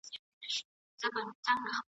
تعلیم د ځوانو مېرمنو په وړتیاوو باور زیاتوي.